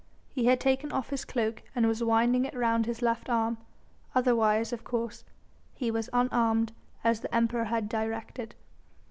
He had taken off his cloak and was winding it round his left arm, otherwise, of course, he was unarmed as the Emperor had directed.